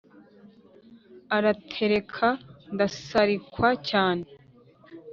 aratereka ndasarikwa cyane